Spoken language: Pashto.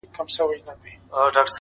زما شاعري وخوړه زې وخوړم”